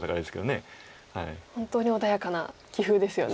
本当に穏やかな棋風ですよね。